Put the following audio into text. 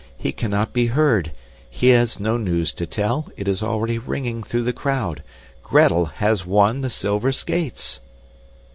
He cannot be heard. He has no news to tell it is already ringing through the crowd. GRETEL HAS WON THE SILVER SKATES!